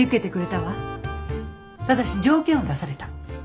ただし条件を出された。